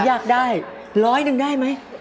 อยากได้ร้อยหนึ่งได้ไหม